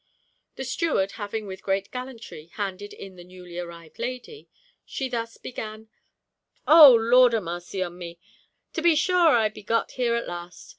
The steward having with great gallantry handed in the newly arrived lady, she thus began: 'Oh! Lord a marcy on me! to be shore I be got here at last!